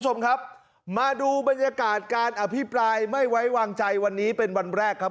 คุณผู้ชมครับมาดูบรรยากาศการอภิปรายไม่ไว้วางใจวันนี้เป็นวันแรกครับ